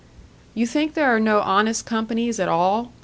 "You think there are no honest companies at all?"